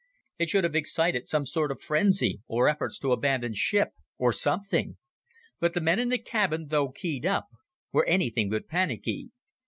It should have excited some sort of frenzy, or efforts to abandon ship, or something. But the men in the cabin, though keyed up, were anything but panicky.